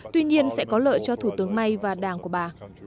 tuy nhiên sẽ có lợi cho thủ tướng may và đảng của bà